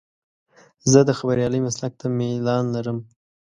زه د خبریالۍ مسلک ته میلان لرم.